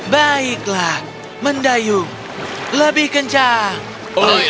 baiklah mendayung lebih kencang